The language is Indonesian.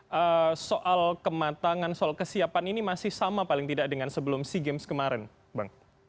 dan soal kematangan soal kesiapan ini masih sama paling tidak dengan sebelum sea games kemarin bang